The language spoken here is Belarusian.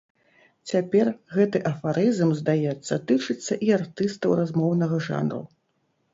Цяпер гэты афарызм, здаецца, тычыцца і артыстаў размоўнага жанру.